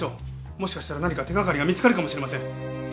もしかしたら何か手掛かりが見つかるかもしれません！